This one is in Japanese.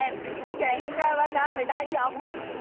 「けんかはダメだよ」